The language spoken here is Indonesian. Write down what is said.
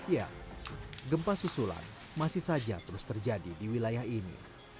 ya gempa susulan masih saja terus terjadi di wilayah ini